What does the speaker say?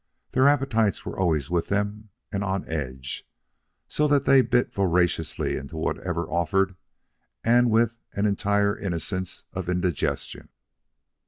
Their appetites were always with them and on edge, so that they bit voraciously into whatever offered and with an entire innocence of indigestion.